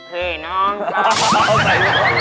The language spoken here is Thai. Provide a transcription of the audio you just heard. พี่น้องกะ